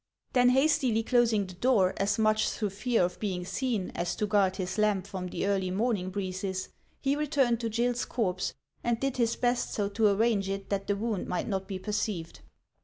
Then hastily closing the door, as much through fear of being seen as to guard his lamp from the early morning breezes, he returned to Gill's corpse, and did his best so to arrange it that the wound might not be perceived.